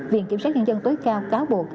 viện kiểm soát nhân dân tối cao cáo buộc